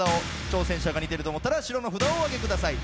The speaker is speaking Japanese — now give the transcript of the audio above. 挑戦者が似てると思ったら白の札お挙げください。